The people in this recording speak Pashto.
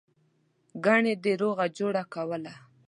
گني ده روغه جوړه کوله.